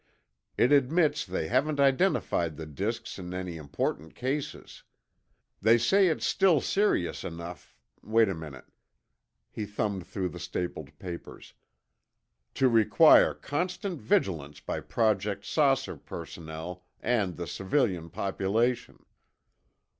It admits they haven't identified the disks in any important cases. They say it's still serious enough—wait a minute—"he thumbed through the stapled papers—" 'to require constant vigilance by Project "Saucer" personnel and the civilian population.